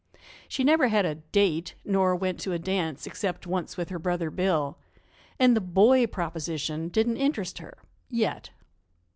She never had a "date," nor went to a dance, except once with her brother, Bill, and the "boy proposition" didn't interest her yet.